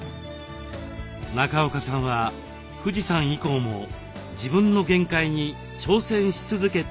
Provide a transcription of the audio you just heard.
中岡さんは富士山以降も自分の限界に挑戦し続けています。